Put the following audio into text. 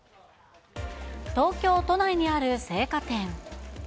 東京都内にある青果店。